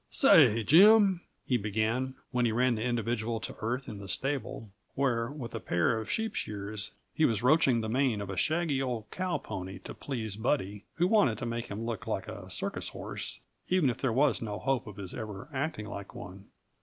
"Say, Jim," he began, when he ran that individual to earth in the stable, where, with a pair of sheep shears, he was roaching the mane of a shaggy old cow pony to please Buddy, who wanted to make him look like a circus horse, even if there was no hope of his ever acting like one.